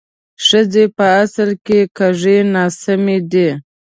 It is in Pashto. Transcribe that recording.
ښځې په اصل کې کږې ناسمې دي